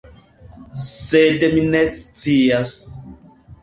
Sed mi ne scias.